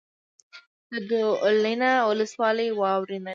د دولینه ولسوالۍ واورین ده